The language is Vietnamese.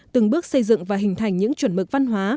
từng bước xây dựng và hình thành những chuẩn mực văn hóa